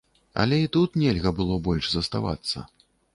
Але і тут нельга было больш заставацца.